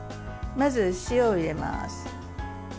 まず塩を入れます。